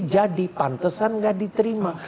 jadi pantesan nggak diterima